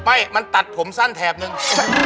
ไม่มันตัดผมสั้นแถบนึง